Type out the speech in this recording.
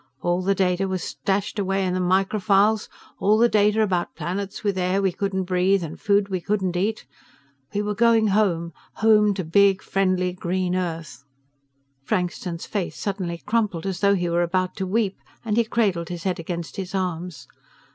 All the data was stashed away in the microfiles, all the data about planets with air we couldn't breathe and food we couldn't eat. We were going home, home to big, friendly, green Earth." Frankston's face suddenly crumpled as though he were about to weep and he cradled his head against his arms.